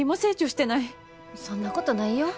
そんなことないよ。